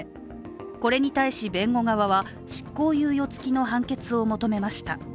これに対し弁護側は執行猶予つきの判決を求めました。